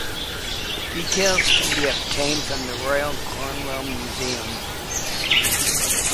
Details can be obtained from the Royal Cornwall Museum.